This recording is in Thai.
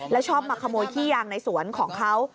แล้วชอบมาขโมยขี้ยางในสวนของเขา